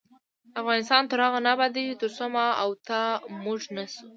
افغانستان تر هغو نه ابادیږي، ترڅو ما او تا "موږ" نشو.